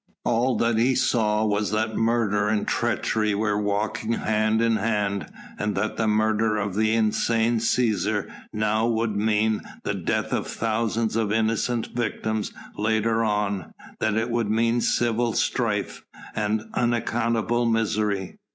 All that he saw was that murder and treachery were walking hand in hand, and that the murder of the insane Cæsar now would mean the death of thousands of innocent victims later on, that it would mean civil strife, and uncountable misery.